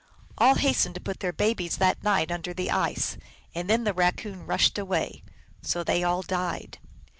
All hastened to put their babes that night under the ice, and then the Raccoon rushed away. So they all died.